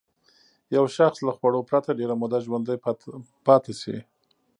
یو شخص له خوړو پرته ډېره موده ژوندی پاتې شي.